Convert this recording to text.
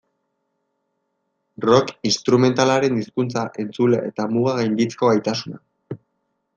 Rock instrumentalaren hizkuntza, entzule eta mugak gainditzeko gaitasuna.